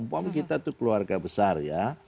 kita itu keluarga besar ya